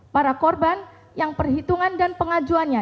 para korban yang perhitungan dan pengajuannya